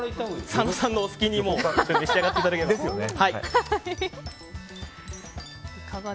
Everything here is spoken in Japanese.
佐野さんのお好きに召し上がっていただければ。